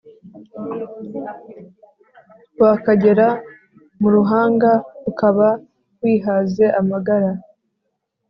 Wakagera mu ruhanga ukaba wihaze amagara